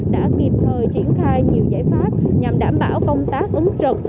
đã kịp thời triển khai nhiều giải pháp nhằm đảm bảo công tác ứng trực